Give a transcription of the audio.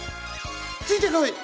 ついてこい！